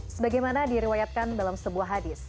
sebagaimana diriwayatkan dalam sebuah hadis